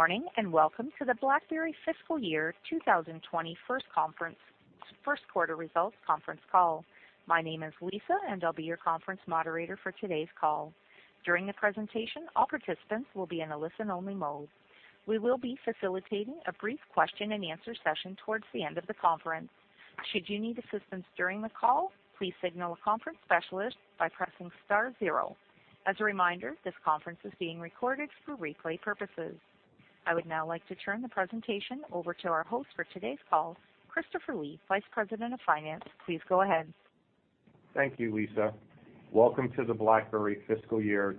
Good morning. Welcome to the BlackBerry Fiscal Year 2020 First Quarter Results Conference Call. My name is Lisa, and I will be your conference moderator for today's call. During the presentation, all participants will be in a listen-only mode. We will be facilitating a brief question-and-answer session towards the end of the conference. Should you need assistance during the call, please signal a conference specialist by pressing star zero. As a reminder, this conference is being recorded for replay purposes. I would now like to turn the presentation over to our host for today's call, Christopher Lee, Vice President of Finance. Please go ahead. Thank you, Lisa. Welcome to the BlackBerry Fiscal Year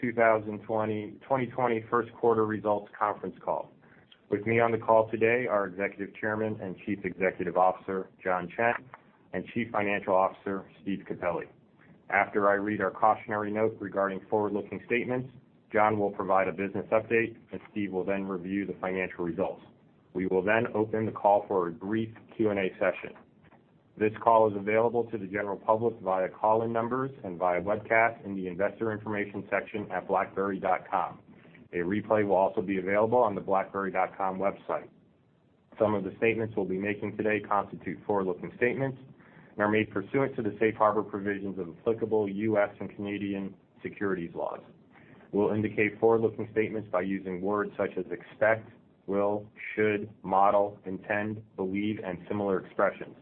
2020 First Quarter Results Conference Call. With me on the call today are Executive Chairman and Chief Executive Officer, John Chen, and Chief Financial Officer, Steve Capelli. After I read our cautionary note regarding forward-looking statements, John will provide a business update. Steve will review the financial results. We will open the call for a brief Q&A session. This call is available to the general public via call-in numbers and via webcast in the investor information section at blackberry.com. A replay will also be available on the blackberry.com website. Some of the statements we will be making today constitute forward-looking statements and are made pursuant to the safe harbor provisions of applicable U.S. and Canadian securities laws. We will indicate forward-looking statements by using words such as "expect," "will," "should," "model," "intend," "believe," and similar expressions.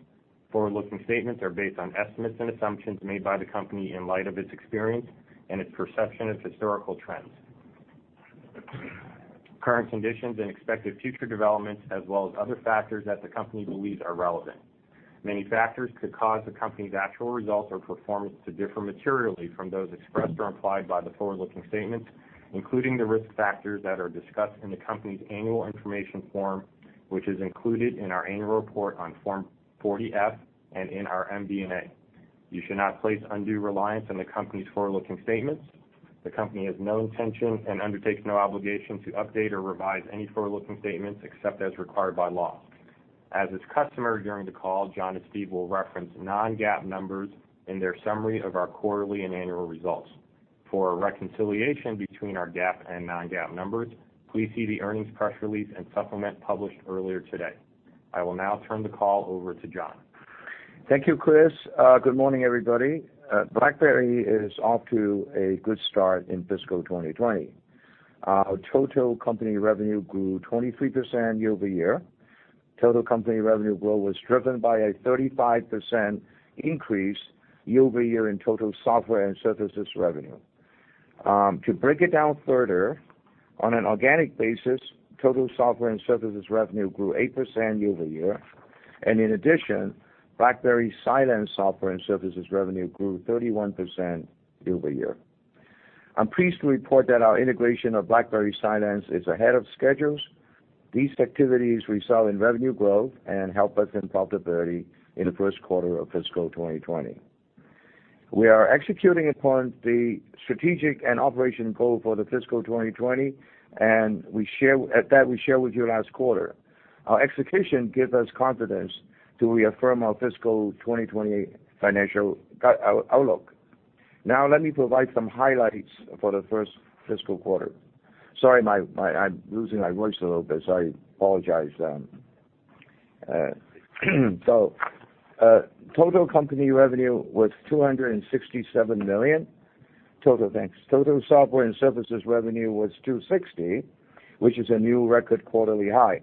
Forward-looking statements are based on estimates and assumptions made by the company in light of its experience and its perception of historical trends, current conditions, and expected future developments, as well as other factors that the company believes are relevant. Many factors could cause the company's actual results or performance to differ materially from those expressed or implied by the forward-looking statements, including the risk factors that are discussed in the company's annual information form, which is included in our annual report on Form 40-F and in our MD&A. You should not place undue reliance on the company's forward-looking statements. The company has no intention and undertakes no obligation to update or revise any forward-looking statements except as required by law. As is customary during the call, John and Steve will reference non-GAAP numbers in their summary of our quarterly and annual results. For a reconciliation between our GAAP and non-GAAP numbers, please see the earnings press release and supplement published earlier today. I will now turn the call over to John. Thank you, Chris. Good morning, everybody. BlackBerry is off to a good start in fiscal 2020. Our total company revenue grew 23% year-over-year. Total company revenue growth was driven by a 35% increase year-over-year in total software and services revenue. To break it down further, on an organic basis, total software and services revenue grew 8% year-over-year, and in addition, BlackBerry Cylance software and services revenue grew 31% year-over-year. I'm pleased to report that our integration of BlackBerry Cylance is ahead of schedules. These activities result in revenue growth and help us in profitability in the first quarter of fiscal 2020. We are executing upon the strategic and operation goal for the fiscal 2020 that we shared with you last quarter. Our execution gives us confidence to reaffirm our fiscal 2020 financial outlook. Let me provide some highlights for the first fiscal quarter. Sorry, I'm losing my voice a little bit, so I apologize. Total company revenue was $267 million. Total software and services revenue was $260 million, which is a new record quarterly high.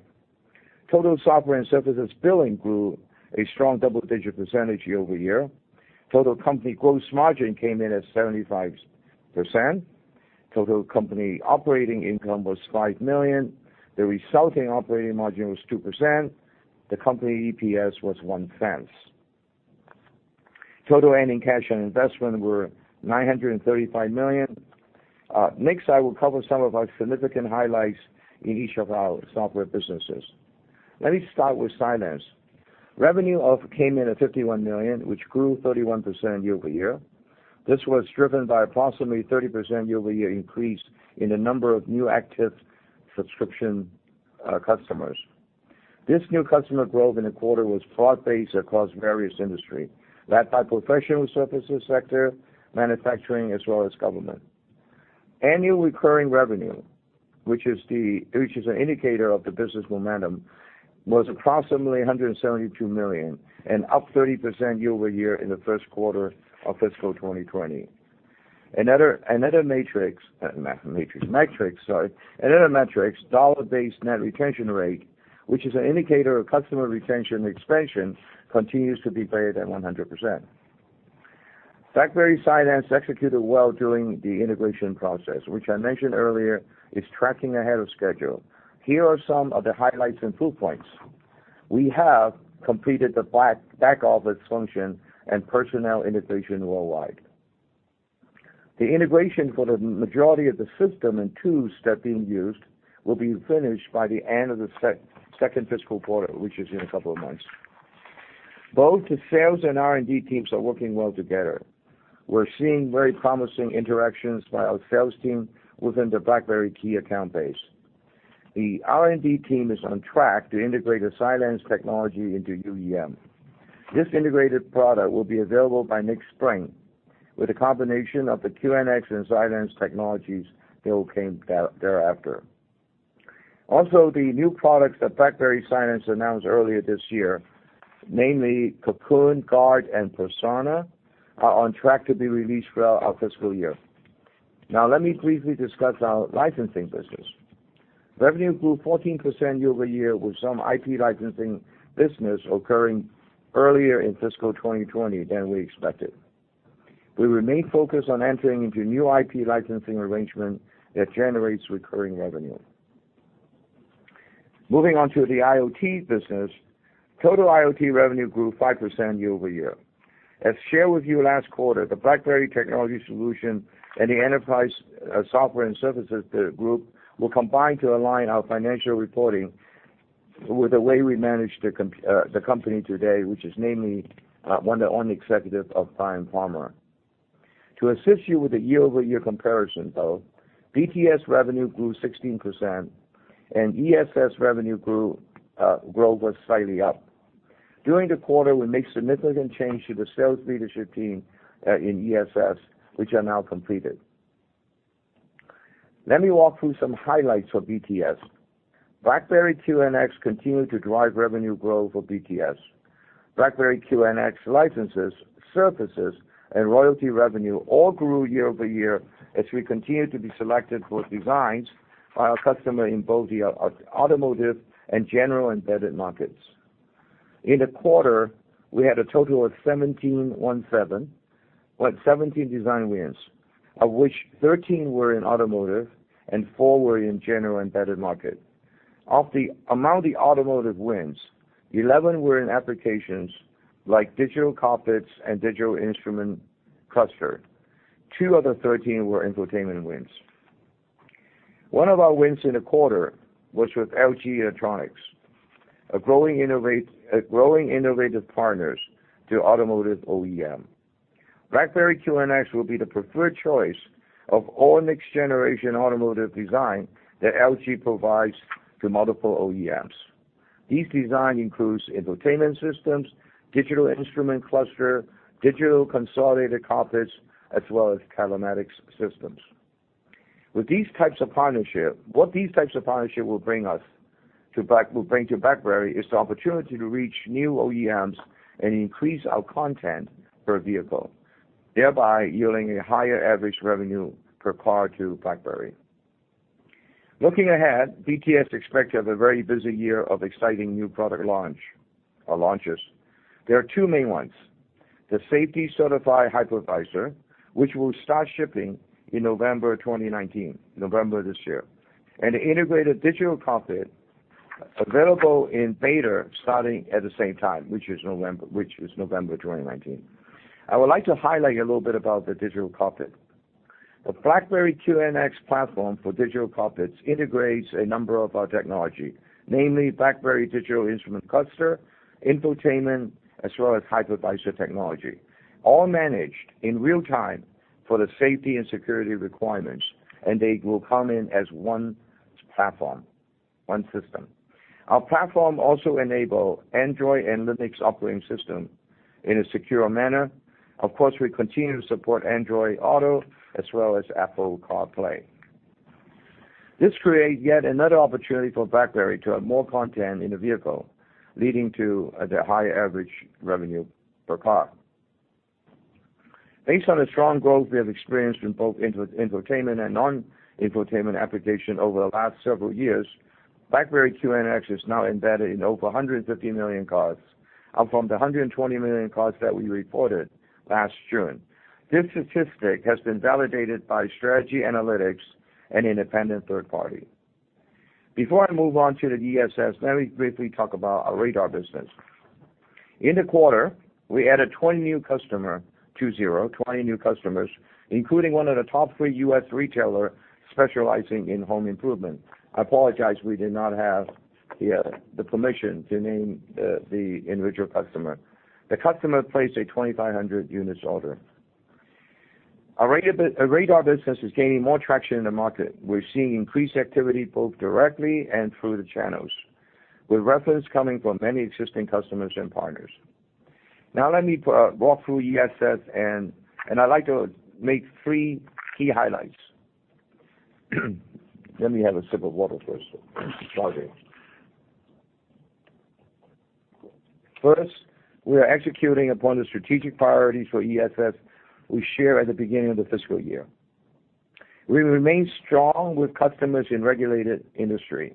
Total software and services billing grew a strong double-digit percentage year-over-year. Total company gross margin came in at 75%. Total company operating income was $5 million. The resulting operating margin was 2%. The company EPS was $0.01. Total ending cash and investment were $935 million. Next, I will cover some of our significant highlights in each of our software businesses. Let me start with Cylance. Revenue came in at $51 million, which grew 31% year-over-year. This was driven by approximately 30% year-over-year increase in the number of new active subscription customers. This new customer growth in the quarter was broad-based across various industry, led by professional services sector, manufacturing, as well as government. Annual recurring revenue, which is an indicator of the business momentum, was approximately $172 million and up 30% year-over-year in the first quarter of fiscal 2020. Another metrics, dollar-based net retention rate, which is an indicator of customer retention expansion, continues to be greater than 100%. BlackBerry Cylance executed well during the integration process, which I mentioned earlier is tracking ahead of schedule. Here are some of the highlights and proof points. We have completed the back office function and personnel integration worldwide. The integration for the majority of the system and tools that are being used will be finished by the end of the second fiscal quarter, which is in a couple of months. Both the sales and R&D teams are working well together. We're seeing very promising interactions by our sales team within the BlackBerry KEY account base. The R&D team is on track to integrate the Cylance technology into UEM. This integrated product will be available by next spring, with a combination of the QNX and Cylance technologies thereafter. Also, the new products that BlackBerry Cylance announced earlier this year, namely Cocoon, Guard, and Persona, are on track to be released throughout our fiscal year. Let me briefly discuss our licensing business. Revenue grew 14% year-over-year with some IP licensing business occurring earlier in fiscal 2020 than we expected. We remain focused on entering into new IP licensing arrangements that generates recurring revenue. Moving on to the IoT business, total IoT revenue grew 5% year-over-year. As shared with you last quarter, the BlackBerry Technology Solutions and the Enterprise Software and Services group will combine to align our financial reporting with the way we manage the company today, which is namely under one executive of Bryan Palmer. To assist you with the year-over-year comparison though, BTS revenue grew 16% and ESS revenue growth was slightly up. During the quarter, we made significant changes to the sales leadership team in ESS, which are now completed. Let me walk through some highlights for BTS. BlackBerry QNX continued to drive revenue growth for BTS. BlackBerry QNX licenses, services, and royalty revenue all grew year-over-year as we continued to be selected for designs by our customers in both the automotive and general embedded markets. In the quarter, we had a total of 17 design wins. Of which, 13 were in automotive and four were in general embedded market. Of the automotive wins, 11 were in applications like digital cockpits and digital instrument cluster. Two of the 13 were infotainment wins. One of our wins in the quarter was with LG Electronics, a growing innovative partners to automotive OEM. BlackBerry QNX will be the preferred choice of all next-generation automotive design that LG provides to multiple OEMs. These design includes infotainment systems, digital instrument cluster, digital consolidated cockpits, as well as telematics systems. What these types of partnership will bring to BlackBerry is the opportunity to reach new OEMs and increase our content per vehicle, thereby yielding a higher average revenue per car to BlackBerry. Looking ahead, BTS expects to have a very busy year of exciting new product launches. There are two main ones, the safety-certified hypervisor, which will start shipping in November 2019, November of this year. The integrated digital cockpit available in beta starting at the same time, which is November 2019. I would like to highlight a little bit about the digital cockpit. The BlackBerry QNX platform for digital cockpits integrates a number of our technology, namely BlackBerry digital instrument cluster, infotainment, as well as hypervisor technology. All managed in real time for the safety and security requirements, and they will come in as one platform, one system. Our platform also enable Android and Linux operating system in a secure manner. Of course, we continue to support Android Auto as well as Apple CarPlay. This creates yet another opportunity for BlackBerry to have more content in the vehicle, leading to the higher average revenue per car. Based on the strong growth we have experienced in both infotainment and non-infotainment application over the last several years, BlackBerry QNX is now embedded in over 150 million cars out from the 120 million cars that we reported last June. This statistic has been validated by Strategy Analytics, an independent third party. Before I move on to the ESS, let me briefly talk about our radar business. In the quarter, we added 20 new customers, including one of the top 3 U.S. retailers specializing in home improvement. I apologize, we did not have the permission to name the individual customer. The customer placed a 2,500 units order. Our radar business is gaining more traction in the market. We are seeing increased activity both directly and through the channels, with reference coming from many existing customers and partners. Let me walk through ESS, and I would like to make 3 key highlights. Let me have a sip of water first. Sorry. First, we are executing upon the strategic priorities for ESS we shared at the beginning of the fiscal year. We remain strong with customers in regulated industry.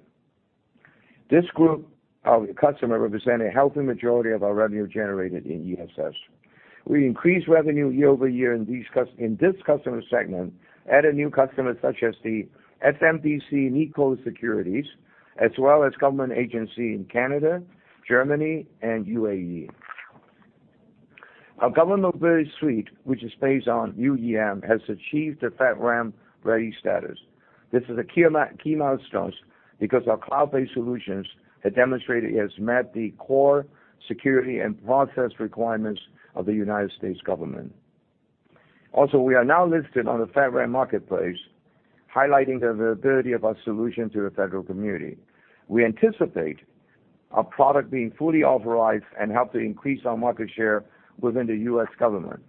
This group of customer represent a healthy majority of our revenue generated in ESS. We increased revenue year-over-year in this customer segment, added new customers such as the SMBC Nikko Securities, as well as government agency in Canada, Germany, and U.A.E. Our Government Mobility Suite, which is based on UEM, has achieved the FedRAMP Ready status. This is a key milestone because our cloud-based solutions have demonstrated it has met the core security and process requirements of the U.S. government. Also, we are now listed on the FedRAMP Marketplace, highlighting the availability of our solution to the federal community. We anticipate our product being fully authorized and help to increase our market share within the U.S. government.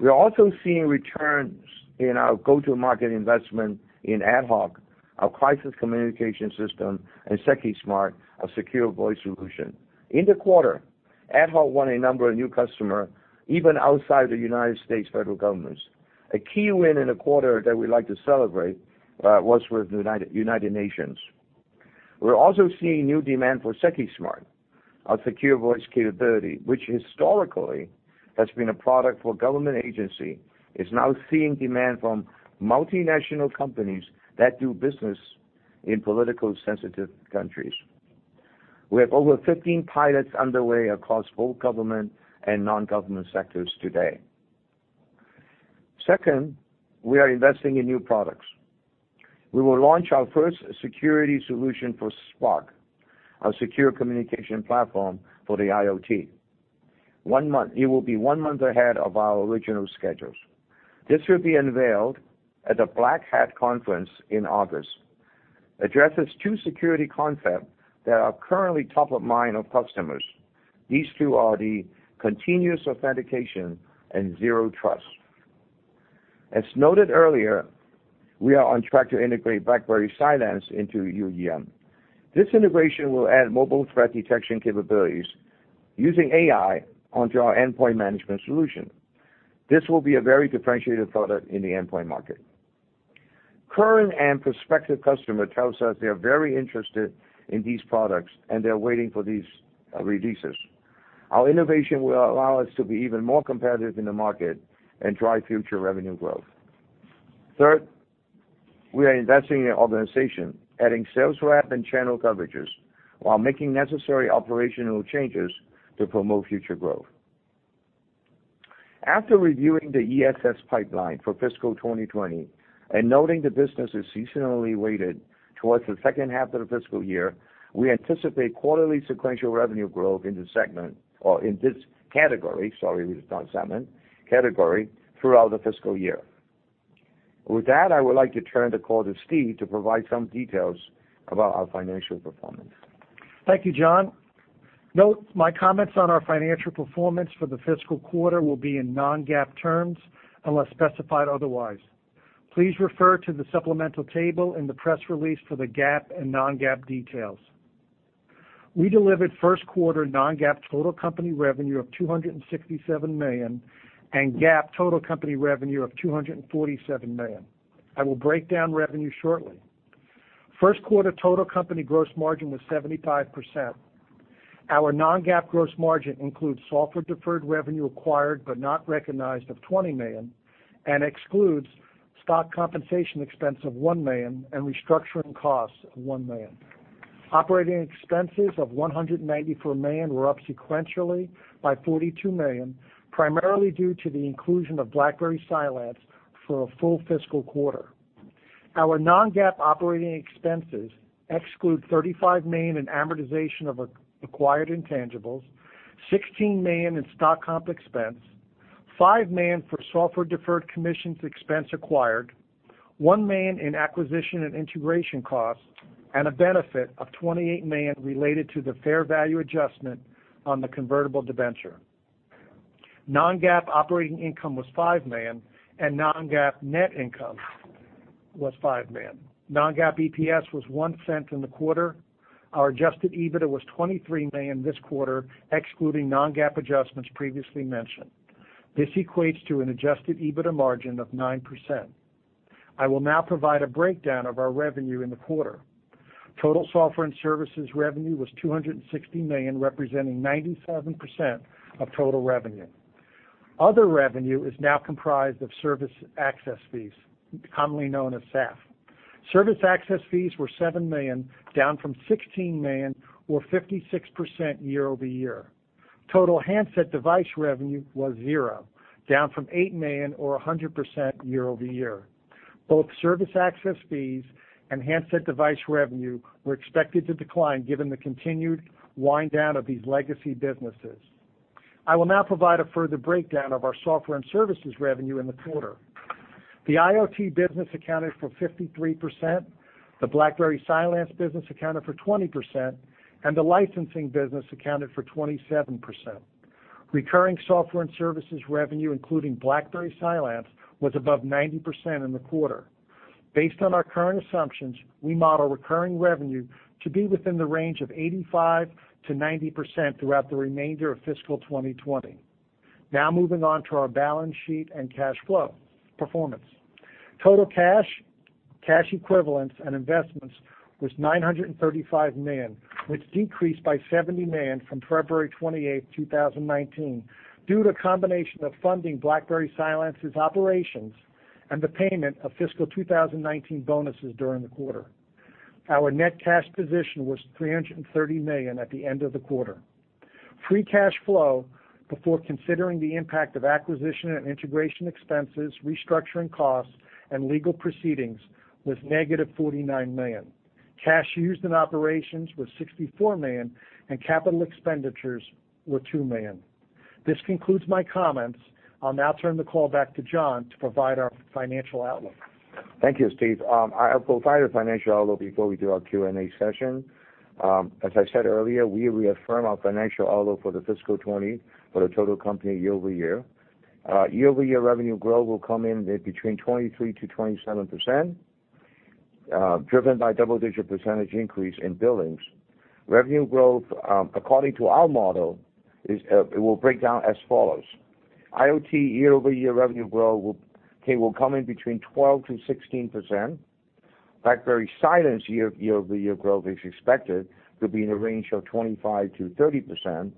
We are also seeing returns in our go-to-market investment in AtHoc, our crisis communication system, and Secusmart, our secure voice solution. In the quarter, AtHoc won a number of new customers, even outside the U.S. federal government. A key win in the quarter that we like to celebrate was with the United Nations. We are also seeing new demand for Secusmart, our secure voice capability, which historically has been a product for government agency, is now seeing demand from multinational companies that do business in politically sensitive countries. We have over 15 pilots underway across both government and non-government sectors today. Second, we are investing in new products. We will launch our first security solution for Spark, our secure communication platform for the IoT. It will be one month ahead of our original schedules. This will be unveiled at the Black Hat Conference in August, addresses two security concepts that are currently top of mind of customers. These two are the continuous authentication and zero trust. As noted earlier, we are on track to integrate BlackBerry Cylance into UEM. This integration will add mobile threat detection capabilities using AI onto our endpoint management solution. This will be a very differentiated product in the endpoint market. Current and prospective customers tell us they are very interested in these products, and they are waiting for these releases. Our innovation will allow us to be even more competitive in the market and drive future revenue growth. Third, we are investing in our organization, adding sales rep and channel coverages while making necessary operational changes to promote future growth. After reviewing the ESS pipeline for fiscal 2020 and noting the business is seasonally weighted towards the second half of the fiscal year, we anticipate quarterly sequential revenue growth in the segment or in this category, sorry, we are not a segment, category, throughout the fiscal year. With that, I would like to turn the call to Steve to provide some details about our financial performance. Thank you, John. Note, my comments on our financial performance for the fiscal quarter will be in non-GAAP terms unless specified otherwise. Please refer to the supplemental table in the press release for the GAAP and non-GAAP details. We delivered first quarter non-GAAP total company revenue of $267 million and GAAP total company revenue of $247 million. I will break down revenue shortly. First quarter total company gross margin was 75%. Our non-GAAP gross margin includes software deferred revenue acquired but not recognized of $20 million and excludes stock compensation expense of $1 million and restructuring costs of $1 million. Operating expenses of $194 million were up sequentially by $42 million, primarily due to the inclusion of BlackBerry Cylance for a full fiscal quarter. Our non-GAAP operating expenses exclude $35 million in amortization of acquired intangibles, $16 million in stock comp expense, $5 million for software-deferred commissions expense acquired, $1 million in acquisition and integration costs, and a benefit of $28 million related to the fair value adjustment on the convertible debenture. Non-GAAP operating income was $5 million, and non-GAAP net income was $5 million. Non-GAAP EPS was $0.01 in the quarter. Our adjusted EBITDA was $23 million this quarter, excluding non-GAAP adjustments previously mentioned. This equates to an adjusted EBITDA margin of 9%. I will now provide a breakdown of our revenue in the quarter. Total software and services revenue was $260 million, representing 97% of total revenue. Other revenue is now comprised of service access fees, commonly known as SAF. Service access fees were $7 million, down from $16 million or 56% year-over-year. Total handset device revenue was $0, down from $8 million or 100% year-over-year. Both service access fees and handset device revenue were expected to decline given the continued wind-down of these legacy businesses. I will now provide a further breakdown of our software and services revenue in the quarter. The IoT business accounted for 53%, the BlackBerry Cylance business accounted for 20%, and the licensing business accounted for 27%. Recurring software and services revenue, including BlackBerry Cylance, was above 90% in the quarter. Based on our current assumptions, we model recurring revenue to be within the range of 85%-90% throughout the remainder of fiscal 2020. Now moving on to our balance sheet and cash flow performance. Total cash equivalents, and investments was $935 million, which decreased by $70 million from February 28th, 2019, due to a combination of funding BlackBerry Cylance's operations and the payment of fiscal 2019 bonuses during the quarter. Our net cash position was $330 million at the end of the quarter. Free cash flow before considering the impact of acquisition and integration expenses, restructuring costs, and legal proceedings was negative $49 million. Cash used in operations was $64 million, and capital expenditures were $2 million. This concludes my comments. I'll now turn the call back to John to provide our financial outlook. Thank you, Steve. I will provide a financial outlook before we do our Q&A session. As I said earlier, we reaffirm our financial outlook for the fiscal 2020 for the total company year-over-year. Year-over-year revenue growth will come in between 23%-27%, driven by double-digit percentage increase in billings. Revenue growth, according to our model, it will break down as follows: IoT year-over-year revenue growth will come in between 12%-16%. BlackBerry Cylance year-over-year growth is expected to be in a range of 25%-30%.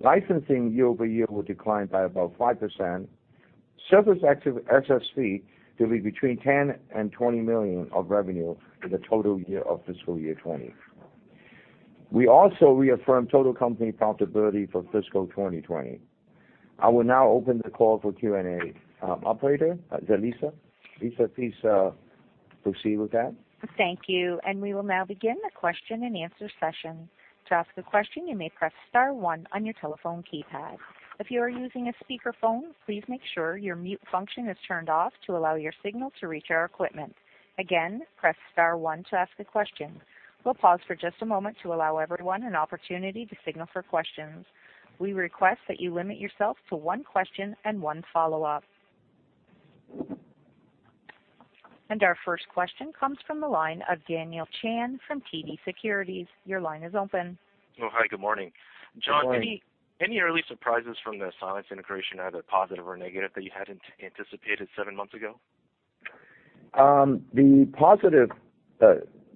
Licensing year-over-year will decline by about 5%. Service active SSV will be between $10 million and $20 million of revenue for the total year of fiscal year 2020. We also reaffirm total company profitability for fiscal 2020. I will now open the call for Q&A. Operator, Lisa? Lisa, please proceed with that. Thank you. We will now begin the question-and-answer session. To ask a question, you may press star one on your telephone keypad. If you are using a speakerphone, please make sure your mute function is turned off to allow your signal to reach our equipment. Again, press star one to ask a question. We will pause for just a moment to allow everyone an opportunity to signal for questions. We request that you limit yourself to one question and one follow-up. Our first question comes from the line of Daniel Chan from TD Securities. Your line is open. Hi. Good morning. Good morning. John, any early surprises from the Cylance integration, either positive or negative, that you hadn't anticipated seven months ago?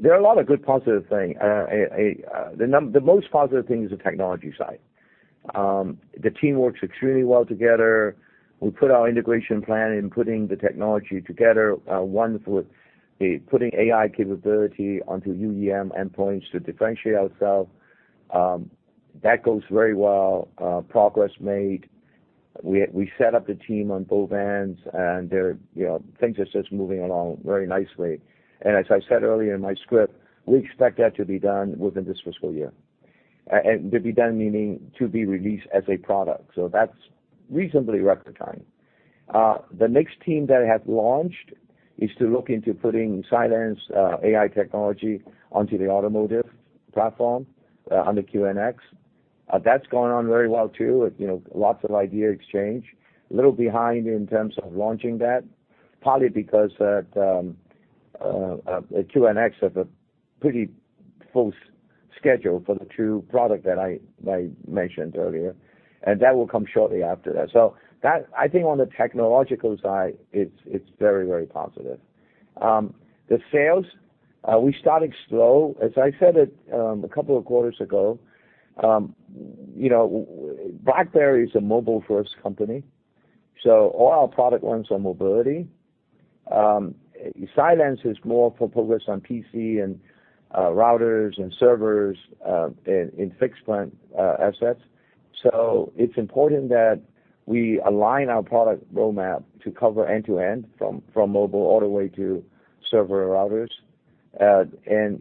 There are a lot of good positive things. The most positive thing is the technology side. The team works extremely well together. We put our integration plan in putting the technology together. One for the putting AI capability onto UEM endpoints to differentiate ourselves. That goes very well. Progress made. We set up the team on both ends, and things are just moving along very nicely. As I said earlier in my script, we expect that to be done within this fiscal year. To be done, meaning to be released as a product. That's reasonably record time. The next team that has launched is to look into putting Cylance AI technology onto the automotive platform, under QNX. That's going on very well, too. Lots of idea exchange. A little behind in terms of launching that, partly because QNX has a pretty full schedule for the two product that I mentioned earlier, and that will come shortly after that. That, I think on the technological side, it's very, very positive. The sales, we started slow. As I said it a couple of quarters ago, BlackBerry is a mobile-first company, so all our product runs on mobility. Cylance is more focused on PC and routers and servers in fixed plant assets. It's important that we align our product roadmap to cover end-to-end, from mobile all the way to server routers.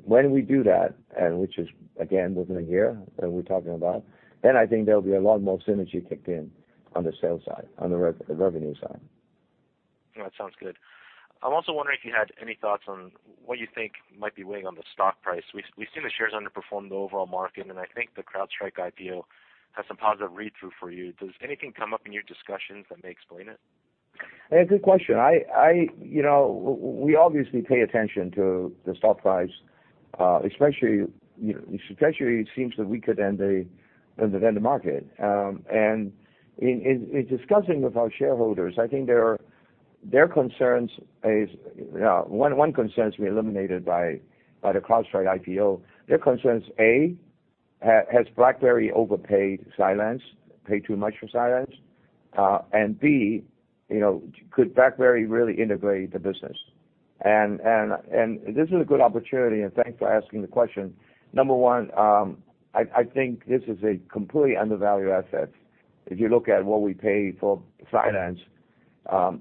When we do that, and which is again, within a year that we're talking about, I think there'll be a lot more synergy kicked in on the sales side, on the revenue side. That sounds good. I'm also wondering if you had any thoughts on what you think might be weighing on the stock price. We've seen the shares underperform the overall market, I think the CrowdStrike IPO has some positive read-through for you. Does anything come up in your discussions that may explain it? Good question. We obviously pay attention to the stock price, especially it seems that we could end the vendor market. In discussing with our shareholders, I think their concerns. One concern has been eliminated by the CrowdStrike IPO. Their concern is, A, has BlackBerry overpaid Cylance, paid too much for Cylance? B, could BlackBerry really integrate the business? This is a good opportunity, and thanks for asking the question. Number one, I think this is a completely undervalued asset. If you look at what we paid for Cylance,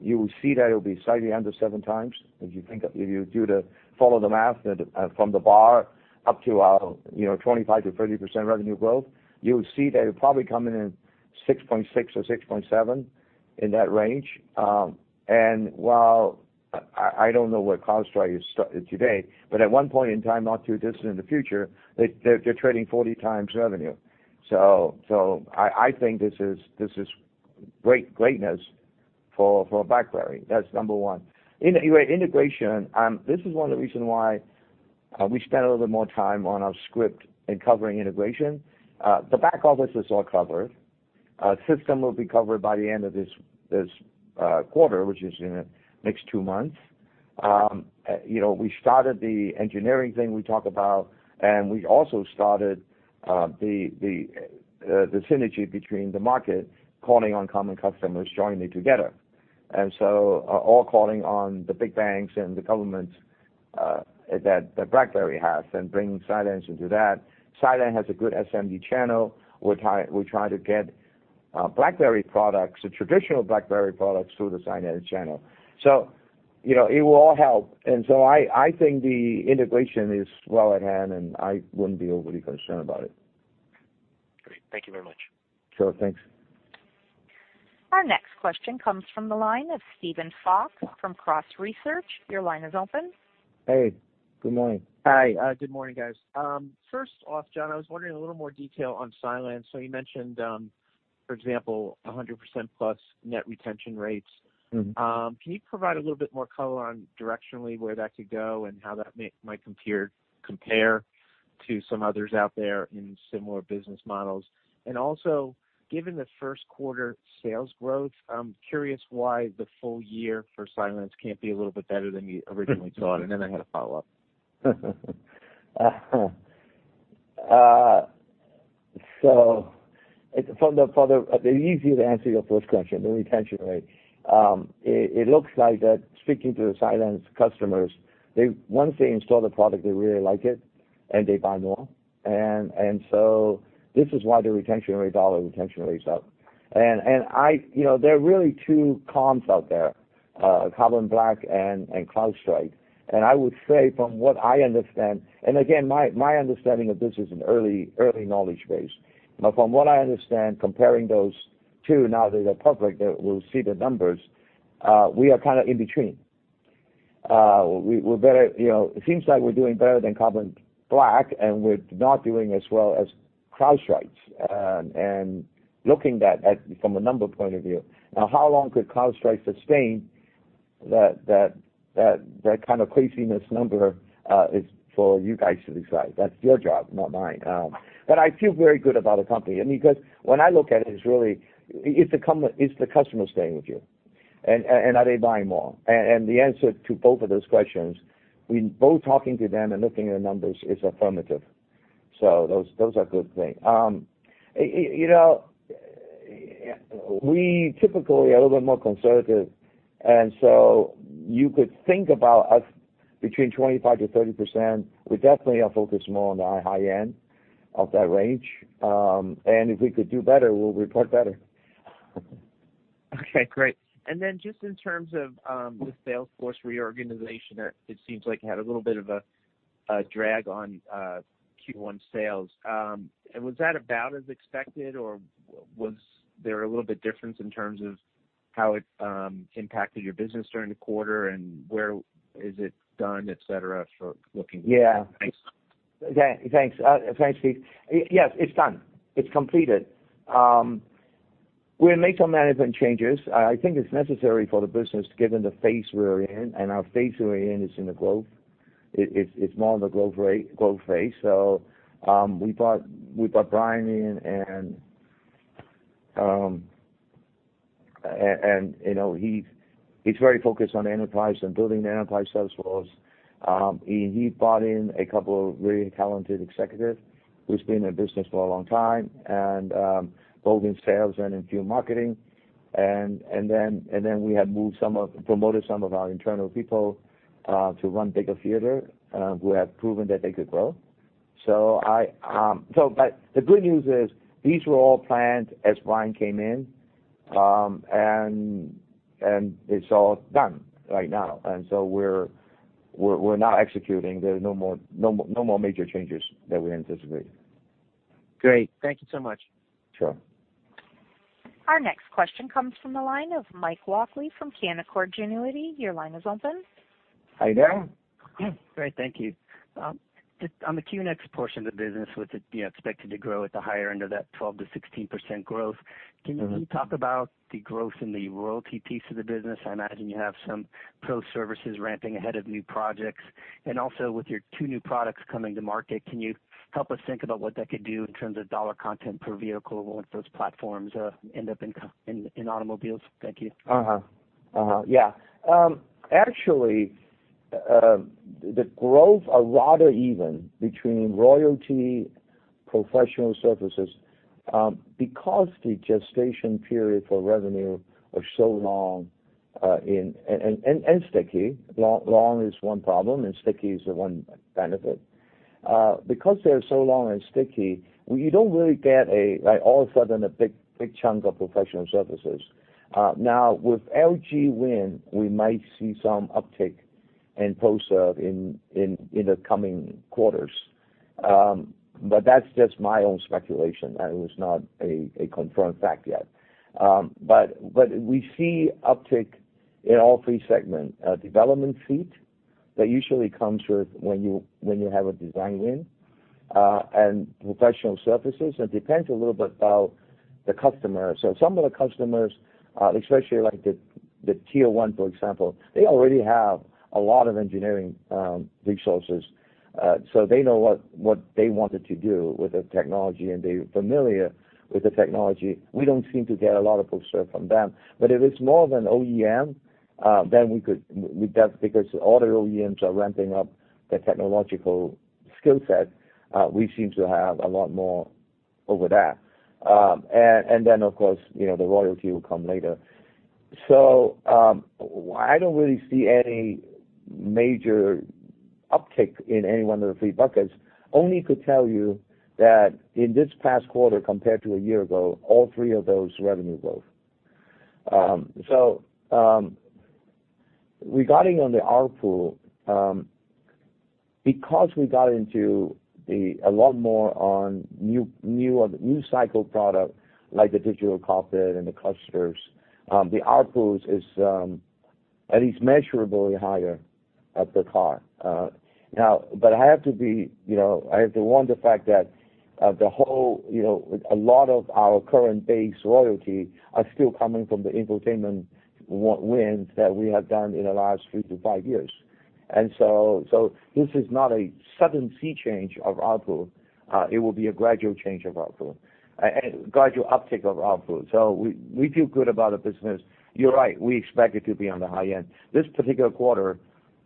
you will see that it'll be slightly under 7 times. If you follow the math from the bar up to our 25%-30% revenue growth, you'll see that it'll probably come in at 6.6 or 6.7, in that range. While I don't know where CrowdStrike is today, but at one point in time, not too distant in the future, they're trading 40 times revenue. I think this is greatness for BlackBerry. That's number one. Anyway, integration, this is one of the reason why we spent a little more time on our script in covering integration. The back office is all covered. System will be covered by the end of this quarter, which is in the next two months. We started the engineering thing we talked about, we also started the synergy between the market calling on common customers jointly together. All calling on the big banks and the governments that BlackBerry has and bringing Cylance into that. Cylance has a good SMB channel. We try to get BlackBerry products, the traditional BlackBerry products through the Cylance channel. It will all help. I think the integration is well at hand, and I wouldn't be overly concerned about it. Great. Thank you very much. Sure. Thanks. Our next question comes from the line of Steven Falk from Cross Research. Your line is open. Hey, good morning. Hi, good morning, guys. First off, John, I was wondering a little more detail on Cylance. You mentioned, for example, 100%-plus net retention rates. Can you provide a little bit more color on directionally where that could go and how that might compare to some others out there in similar business models? Also, given the first quarter sales growth, I'm curious why the full year for Cylance can't be a little bit better than you originally thought. Then I had a follow-up. Easier to answer your first question, the retention rate. It looks like that, speaking to the Cylance customers, once they install the product, they really like it, and they buy more. So this is why the retention rates are up. There are really two comps out there, Carbon Black and CrowdStrike. I would say from what I understand, and again, my understanding of this is an early knowledge base, but from what I understand, comparing those two now that they're public, that we'll see the numbers, we are kind of in between. It seems like we're doing better than Carbon Black, and we're not doing as well as CrowdStrike's, and looking that at from a number point of view. How long could CrowdStrike sustain that kind of craziness number is for you guys to decide. That's your job, not mine. I feel very good about the company, because when I look at it's the customer staying with you, and are they buying more? The answer to both of those questions, both talking to them and looking at the numbers, is affirmative. Those are good things. We typically are a little bit more conservative, so you could think about us between 25%-30%. We definitely are focused more on the high end of that range. If we could do better, we'll report better. Okay, great. Then just in terms of the sales force reorganization, it seems like it had a little bit of a drag on Q1 sales. Was that about as expected, or was there a little bit difference in terms of how it impacted your business during the quarter, and where is it done, et cetera? Yeah. Thanks. Yeah, thanks. Thanks, Steve. Yes, it's done. It's completed. We make some management changes. I think it's necessary for the business, given the phase we're in, our phase we're in is in the growth. It's more on the growth phase. We brought Brian in, he's very focused on enterprise and building the enterprise sales force. He brought in a couple of really talented executives who's been in business for a long time, both in sales and in field marketing. We have promoted some of our internal people, to run bigger theater, who have proven that they could grow. The good news is these were all planned as Brian came in, it's all done right now. We're now executing. There are no more major changes that we anticipate. Great. Thank you so much. Sure. Our next question comes from the line of Michael Walkley from Canaccord Genuity. Your line is open. How you doing? Great. Thank you. Just on the QNX portion of the business, with it expected to grow at the higher end of that 12%-16% growth. Can you talk about the growth in the royalty piece of the business? I imagine you have some pro services ramping ahead of new projects. Also with your 2 new products coming to market, can you help us think about what that could do in terms of $ content per vehicle once those platforms end up in automobiles? Thank you. Yeah. Actually, the growth are rather even between royalty professional services. The gestation period for revenue are so long and sticky. Long is one problem, and sticky is the one benefit. They're so long and sticky, we don't really get a, like all of a sudden, a big chunk of professional services. Now, with LG Win, we might see some uptick in post serve in the coming quarters. That's just my own speculation. That was not a confirmed fact yet. We see uptick in all three segment. Development fees, that usually comes with when you have a design win, and professional services. It depends a little bit about the customer. Some of the customers, especially like the tier 1, for example, they already have a lot of engineering resources. They know what they wanted to do with the technology, and they're familiar with the technology. We don't seem to get a lot of post serve from them. If it's more of an OEM, all the OEMs are ramping up their technological skill set, we seem to have a lot more over that. Of course, the royalty will come later. I don't really see any major uptick in any one of the three buckets only could tell you that in this past quarter compared to a year ago, all three of those revenue growth. Regarding on the ARPU, we got into a lot more on new cycle product like the digital cockpit and the clusters, the ARPUs is at least measurably higher at the car. I have to warn the fact that a lot of our current base royalty are still coming from the infotainment wins that we have done in the last three to five years. This is not a sudden sea change of ARPU. It will be a gradual change of ARPU, gradual uptick of ARPU. We feel good about the business. You're right, we expect it to be on the high end. This particular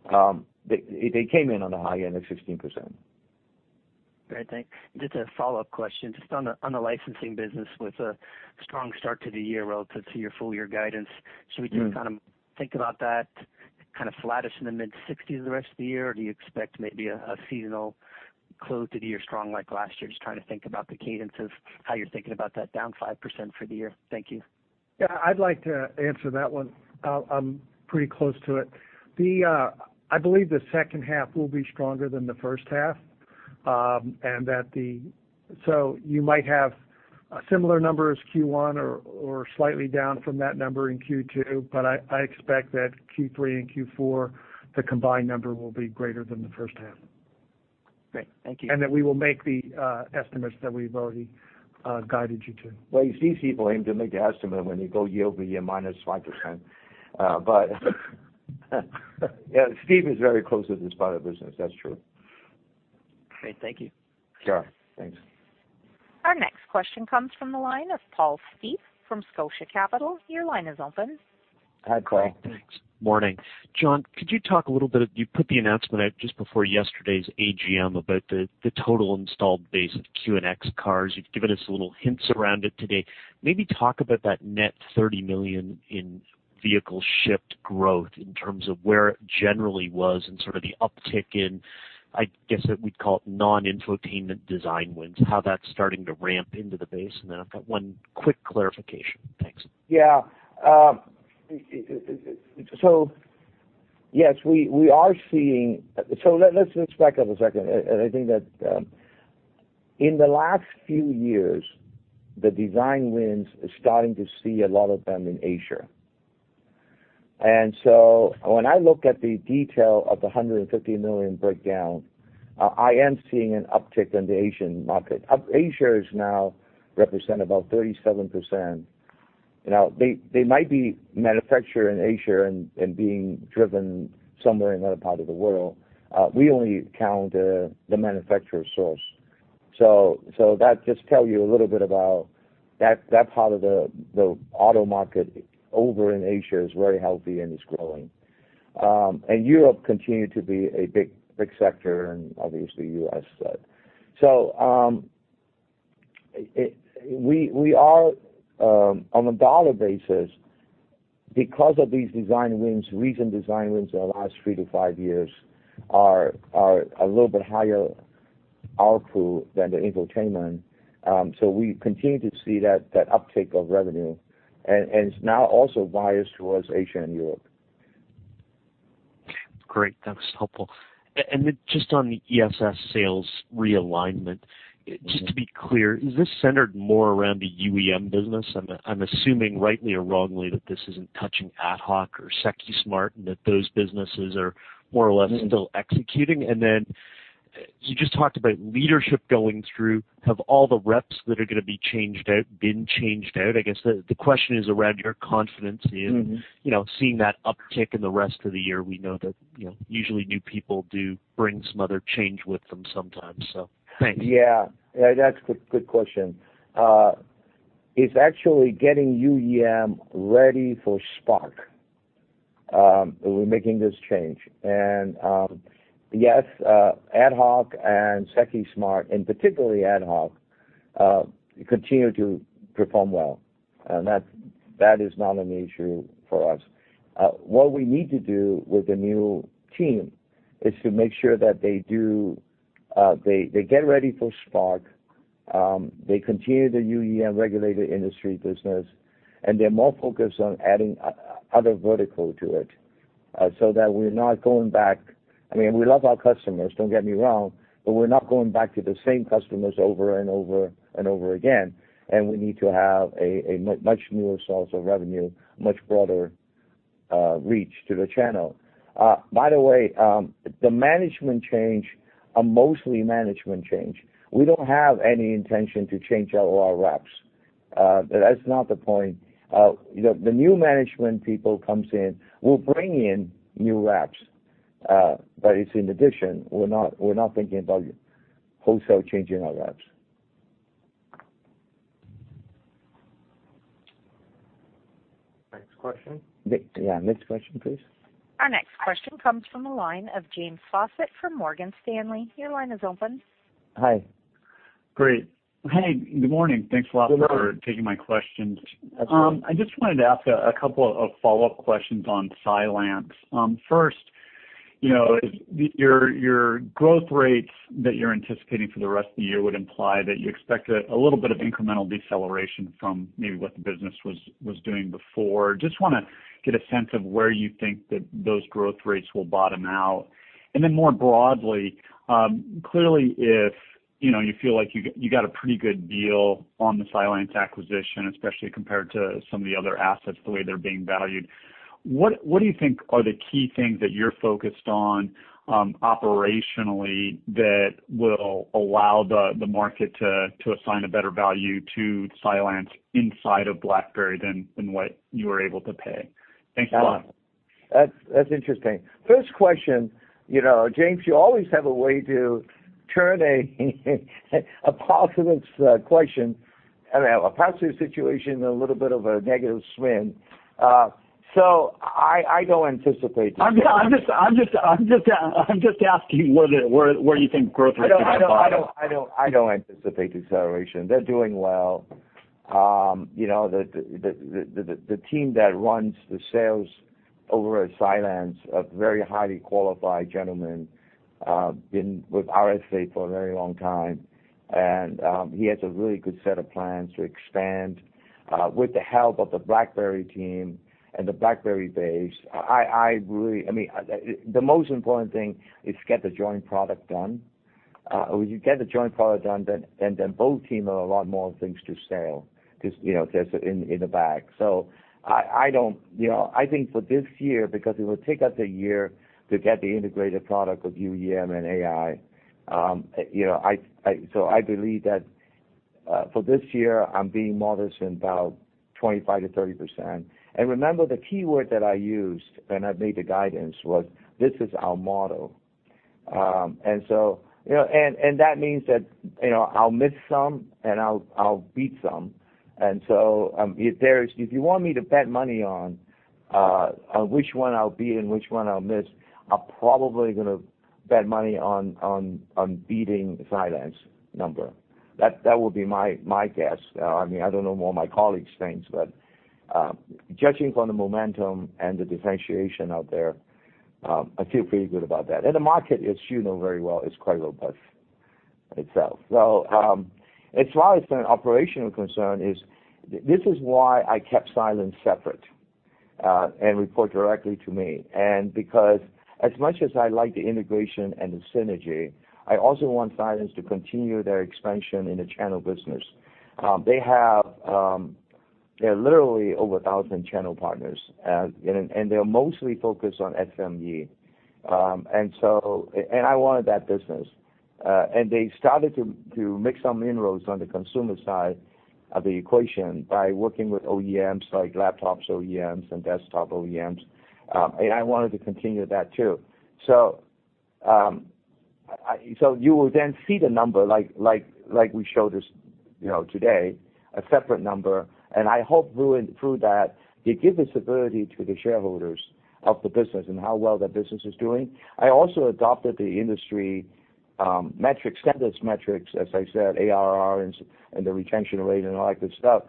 quarter, they came in on the high end at 16%. Great, thanks. Just a follow-up question, just on the licensing business with a strong start to the year relative to your full-year guidance. Should we just think about that kind of flattish in the mid-60s the rest of the year? Or do you expect maybe a seasonal close to the year strong like last year? Just trying to think about the cadence of how you're thinking about that down 5% for the year. Thank you. I'd like to answer that one. I'm pretty close to it. I believe the second half will be stronger than the first half, so you might have similar numbers Q1 or slightly down from that number in Q2. I expect that Q3 and Q4, the combined number will be greater than the first half. Great. Thank you. That we will make the estimates that we've already guided you to. Well, it's easy for him to make the estimate when you go year-over-year minus 5%. Steve is very close with this part of the business, that's true. Great. Thank you. Sure. Thanks. Our next question comes from the line of Paul Steep from Scotia Capital. Your line is open. Hi, Paul. Thanks. Morning. John, could you talk a little bit, you put the announcement out just before yesterday's AGM about the total installed base of QNX cars. You've given us little hints around it today. Maybe talk about that net 30 million in vehicle shipped growth in terms of where it generally was and sort of the uptick in, I guess, that we'd call it non-infotainment design wins, how that's starting to ramp into the base. I've got one quick clarification. Thanks. Yeah. Let's back up a second. I think that in the last few years, the design wins are starting to see a lot of them in Asia. When I look at the detail of the 150 million breakdown, I am seeing an uptick in the Asian market. Asia is now represent about 37%. Now they might be manufacture in Asia and being driven somewhere in other part of the world. We only count the manufacturer source. That just tell you a little bit about that part of the auto market over in Asia is very healthy and is growing. Europe continue to be a big sector and obviously U.S. We are, on a dollar basis, because of these recent design wins in the last three to five years, are a little bit higher ARPU than the infotainment. We continue to see that uptick of revenue, and it's now also biased towards Asia and Europe. Great. That was helpful. Just on the ESS sales realignment, just to be clear, is this centered more around the UEM business? I'm assuming rightly or wrongly, that this isn't touching AtHoc or Secusmart, and that those businesses are more or less still executing. You just talked about leadership going through. Have all the reps that are going to be changed out, been changed out? I guess the question is around your confidence in seeing that uptick in the rest of the year. We know that usually new people do bring some other change with them sometimes. Thanks. Yeah. That's a good question. It's actually getting UEM ready for SPARK. We're making this change. Yes, AtHoc and Secusmart, and particularly AtHoc, continue to perform well. That is not an issue for us. What we need to do with the new team is to make sure that they get ready for SPARK, they continue the UEM regulated industry business, and they're more focused on adding other vertical to it, so that we're not going back. I mean, we love our customers, don't get me wrong, but we're not going back to the same customers over and over and over again. We need to have a much newer source of revenue, much broader reach to the channel. By the way, the management change are mostly management change. We don't have any intention to change out our reps. That's not the point. The new management people comes in will bring in new reps, but it's in addition, we're not thinking about wholesale changing our reps. Next question. Yeah, next question, please. Our next question comes from the line of James Faucette from Morgan Stanley. Your line is open. Hi. Great. Hey, good morning. Thanks a lot. Good morning for taking my questions. Absolutely. I just wanted to ask a couple of follow-up questions on Cylance. First, your growth rates that you're anticipating for the rest of the year would imply that you expect a little bit of incremental deceleration from maybe what the business was doing before. Just want to get a sense of where you think that those growth rates will bottom out. More broadly, clearly, if you feel like you got a pretty good deal on the Cylance acquisition, especially compared to some of the other assets, the way they're being valued, what do you think are the key things that you're focused on operationally that will allow the market to assign a better value to Cylance inside of BlackBerry than what you were able to pay? Thanks a lot. That's interesting. First question, James, you always have a way to turn a positive situation a little bit of a negative spin. I don't anticipate deceleration. I'm just asking where you think growth rates are going to bottom out. I don't anticipate deceleration. They're doing well. The team that runs the sales over at Cylance, a very highly qualified gentleman, been with RSA for a very long time. He has a really good set of plans to expand, with the help of the BlackBerry team and the BlackBerry base. The most important thing is to get the joint product done. You get the joint product done, then both team have a lot more things to sell in the bag. I think for this year, because it will take us a year to get the integrated product with UEM and AI, I believe that, for this year, I'm being modest in about 25%-30%. Remember, the keyword that I used when I made the guidance was, this is our motto. That means that I'll miss some, and I'll beat some. If you want me to bet money on which one I'll beat and which one I'll miss, I'm probably going to bet money on beating Cylance number. That would be my guess. I don't know what my colleagues think, but judging from the momentum and the differentiation out there, I feel pretty good about that. The market, as you know very well, is quite robust itself. As far as an operational concern is, this is why I kept Cylance separate, and report directly to me. Because as much as I like the integration and the synergy, I also want Cylance to continue their expansion in the channel business. They're literally over 1,000 channel partners, and they're mostly focused on SME. I wanted that business. They started to make some inroads on the consumer side of the equation by working with OEMs, like laptops OEMs and desktop OEMs. I wanted to continue that too. You will then see the number like we showed today, a separate number. I hope through that it gives visibility to the shareholders of the business and how well that business is doing. I also adopted the industry metrics, standard metrics, as I said, ARR and the retention rate and all that good stuff.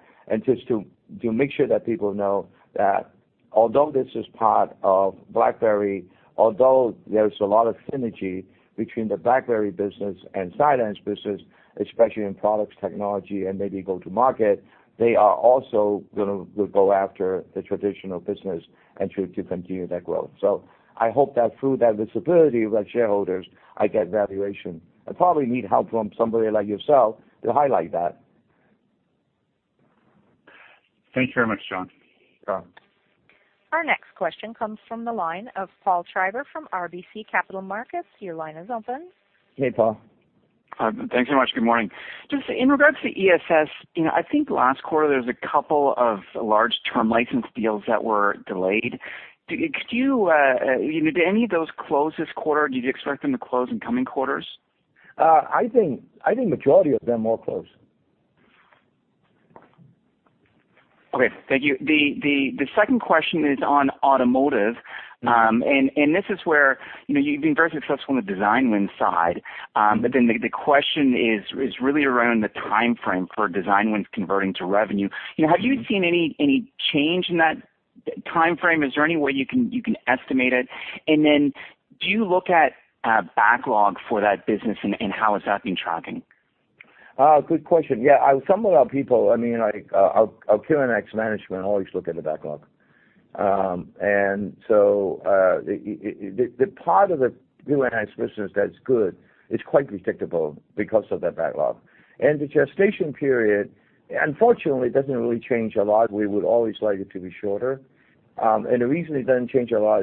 Just to make sure that people know that although this is part of BlackBerry, although there's a lot of synergy between the BlackBerry business and Cylance business, especially in products, technology, and maybe go to market, they are also going to go after the traditional business and to continue that growth. I hope that through that visibility with shareholders, I get valuation. I probably need help from somebody like yourself to highlight that. Thank you very much, John. No problem. Our next question comes from the line of Paul Treiber from RBC Capital Markets. Your line is open. Hey, Paul. Thanks so much. Good morning. In regards to ESS, I think last quarter there was a couple of large term license deals that were delayed. Do any of those close this quarter? Do you expect them to close in coming quarters? I think majority of them will close. Okay. Thank you. The second question is on automotive. This is where you've been very successful on the design win side. The question is really around the timeframe for design wins converting to revenue. Have you seen any change in that timeframe? Is there any way you can estimate it? Do you look at backlog for that business, and how has that been tracking? Good question. Yeah. Some of our people, our QNX management always look at the backlog. The part of the QNX business that's good is quite predictable because of that backlog. The gestation period, unfortunately, doesn't really change a lot. We would always like it to be shorter. The reason it doesn't change a lot,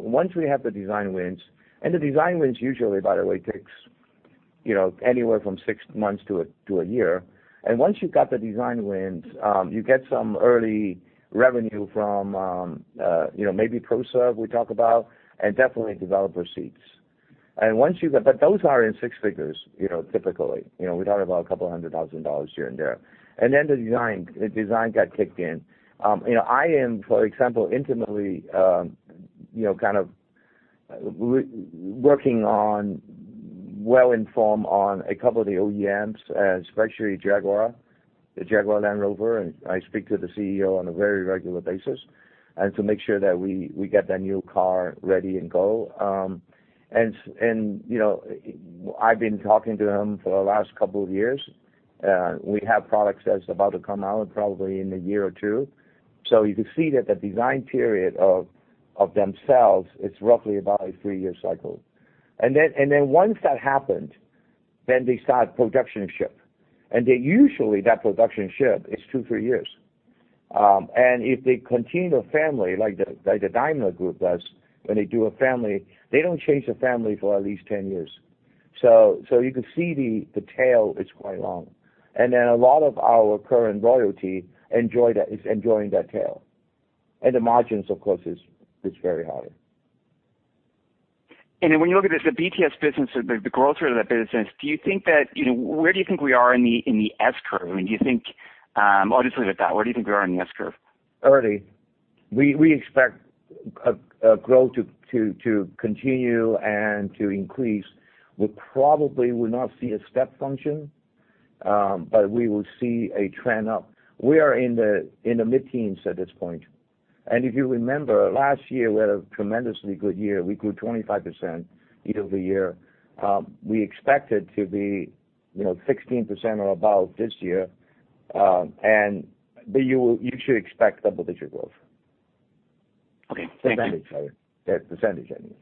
once we have the design wins, and the design wins usually, by the way, takes anywhere from six months to a year. Once you've got the design wins, you get some early revenue from maybe pro serve, we talk about, and definitely developer seats. But those are in six figures typically. We're talking about $200,000 here and there. The design got kicked in. I am, for example, intimately well-informed on a couple of the OEMs, especially Jaguar, the Jaguar Land Rover, I speak to the CEO on a very regular basis, to make sure that we get that new car ready and go. I've been talking to him for the last couple of years. We have products that's about to come out probably in a year or two, you can see that the design period of themselves, it's roughly about a three-year cycle. Once that happened, they start production ship. Usually, that production ship is two, three years. If they continue a family, like the Daimler group does, when they do a family, they don't change the family for at least 10 years. You can see the tail is quite long. A lot of our current royalty is enjoying that tail. The margins, of course, is very high. When you look at this, the BTS business, the growth rate of that business, where do you think we are in the S-curve? I mean, I'll just leave it at that. Where do you think we are in the S-curve? Early. We expect growth to continue and to increase. We probably will not see a step function, we will see a trend up. We are in the mid-teens at this point. If you remember, last year, we had a tremendously good year. We grew 25% year-over-year. We expected to be 16% or above this year, you should expect double-digit growth. Okay. Thank you. Percentage, sorry. I mean.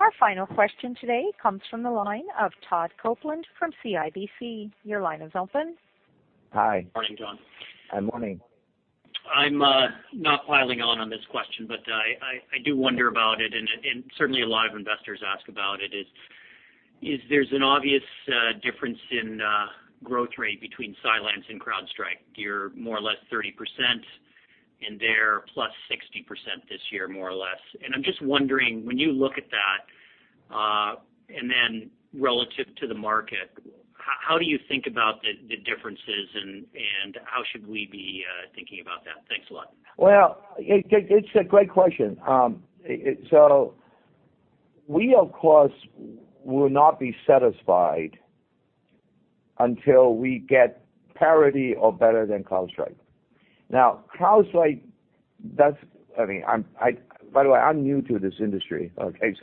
Our final question today comes from the line of Todd Coupland from CIBC. Your line is open. Hi. Morning, John. Good morning. I'm not piling on this question, but I do wonder about it, and certainly a lot of investors ask about it, is there's an obvious difference in growth rate between Cylance and CrowdStrike. You're more or less 30%, and they're plus 60% this year, more or less. I'm just wondering, when you look at that, and then relative to the market, how do you think about the differences and how should we be thinking about that? Thanks a lot. It's a great question. We, of course, will not be satisfied until we get parity or better than CrowdStrike. CrowdStrike, by the way, I'm new to this industry, okay?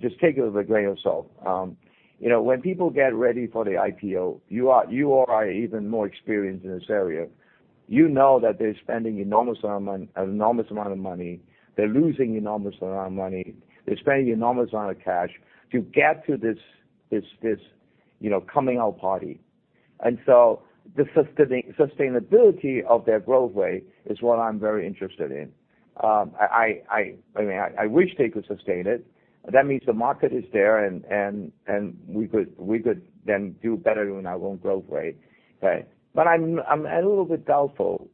Just take it with a grain of salt. When people get ready for the IPO, you are even more experienced in this area. You know that they're spending enormous amount of money. They're losing enormous amount of money. They're spending enormous amount of cash to get to this coming out party. The sustainability of their growth rate is what I'm very interested in. I wish they could sustain it. That means the market is there, and we could then do better than our own growth rate, okay? I'm a little bit doubtful.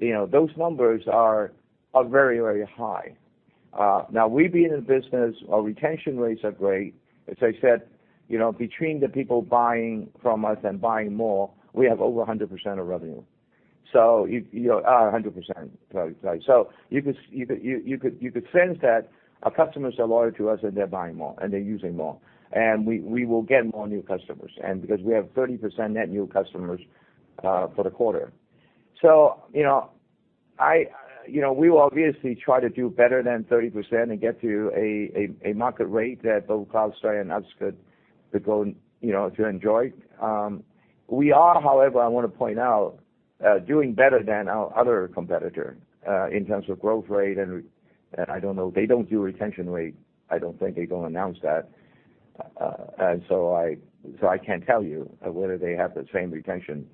Those numbers are very, very high. We, being in business, our retention rates are great. As I said, between the people buying from us and buying more, we have over 100% of revenue. 100%, sorry. You could sense that our customers are loyal to us and they're buying more, and they're using more. We will get more new customers, and because we have 30% net new customers for the quarter. We will obviously try to do better than 30% and get to a market rate that both CrowdStrike and us could enjoy. We are, however, I want to point out, doing better than our other competitor in terms of growth rate, and I don't know, they don't do retention rate. I don't think they're going to announce that. I can't tell you whether they have the same retention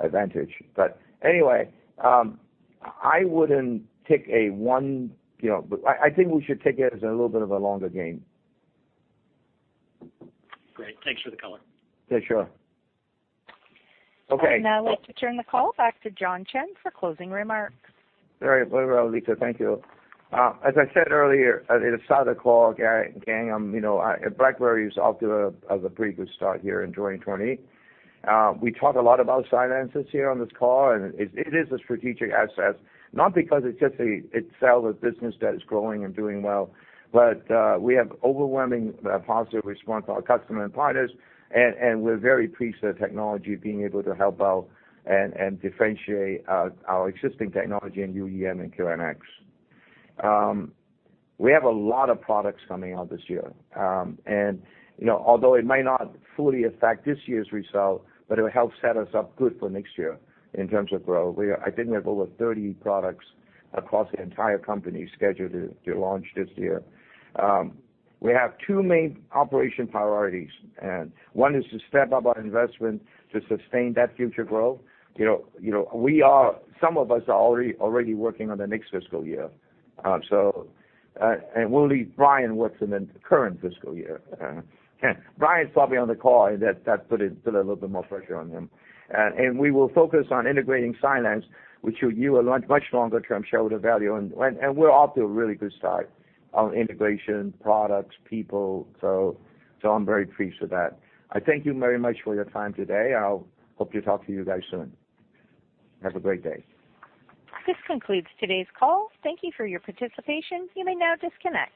advantage. Anyway, I think we should take it as a little bit of a longer game. Great. Thanks for the color. Yeah, sure. Okay. I'd now like to turn the call back to John Chen for closing remarks. Very well, Lisa. Thank you. As I said earlier at the start of the call, gang, BlackBerry is off to a pretty good start here in 2020. We talked a lot about Cylance here on this call, and it is a strategic asset, not because it's just itself a business that is growing and doing well, but we have overwhelmingly positive response from our customer and partners, and we're very pleased with the technology being able to help out and differentiate our existing technology in UEM and QNX. Although it might not fully affect this year's result, but it'll help set us up good for next year in terms of growth. I think we have over 30 products across the entire company scheduled to launch this year. We have two main operation priorities, and one is to step up our investment to sustain that future growth. Some of us are already working on the next fiscal year. We'll leave Brian what's in the current fiscal year. Brian's probably on the call, that put a little bit more pressure on him. We will focus on integrating Cylance, which you will launch much longer term shareholder value, and we're off to a really good start on integration, products, people. I'm very pleased with that. I thank you very much for your time today. I hope to talk to you guys soon. Have a great day. This concludes today's call. Thank you for your participation. You may now disconnect.